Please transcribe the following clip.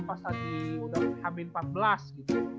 pas lagi udah hamil empat belas gitu